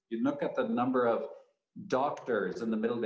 jumlah dokter di tengah